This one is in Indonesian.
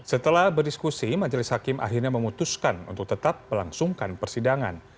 setelah berdiskusi majelis hakim akhirnya memutuskan untuk tetap melangsungkan persidangan